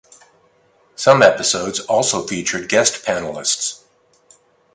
Some episodes also featured guest panelists.